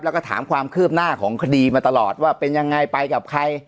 แล้วก็ถามความคืบหน้าของคดีมาตลอดว่าเป็นยังไงไปกับใคร